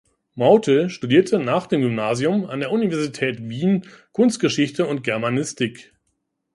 Mauthe studierte nach dem Gymnasium an der Universität Wien Kunstgeschichte und Germanistik.